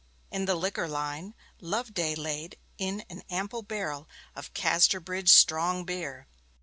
In the liquor line Loveday laid in an ample barrel of Casterbridge 'strong beer.'